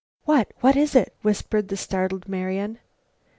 "Wha what is it?" whispered the startled Marian.